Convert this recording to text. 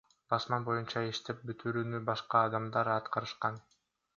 Басма боюнча иштеп бүтүрүүнү башка адамдар аткарышкан.